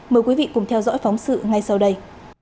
mời quý vị cùng theo dõi phóng sự ngay sau đây